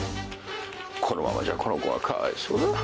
このままじゃこの子がかわいそう。